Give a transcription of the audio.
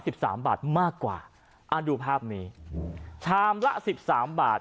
สิบสามบาทมากกว่าอ่าดูภาพนี้ชามละสิบสามบาท